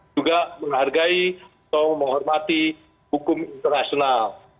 juga menghargai atau menghormati hukum internasional